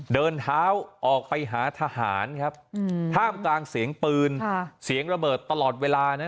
เดินเท้าออกไปหาทหารครับท่ามกลางเสียงปืนเสียงระเบิดตลอดเวลานะ